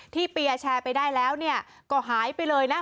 ที่เปียร์แชร์ไปได้แล้วเนี่ยก็หายไปเลยนะ